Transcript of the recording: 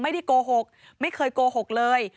ไม่ได้โกหกไม่เคยโกหกเลย